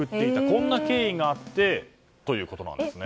こんな経緯があってということなんですね。